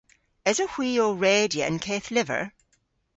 Esowgh hwi ow redya an keth lyver?